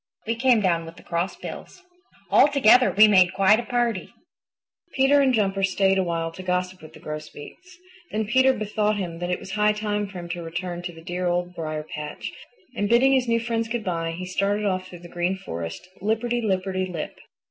We came down with the Crossbills. All together we made quite a party." Peter and Jumper stayed a while to gossip with the Grosbeaks. Then Peter bethought him that it was high time for him to return to the dear Old Briar patch, and bidding his new friends good by, he started off through the Green Forest, lipperty lipperty lip.